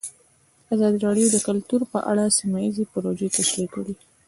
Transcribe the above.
ازادي راډیو د کلتور په اړه سیمه ییزې پروژې تشریح کړې.